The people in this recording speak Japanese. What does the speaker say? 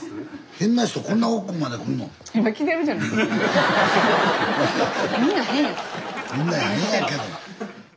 変な人みんな変やけど。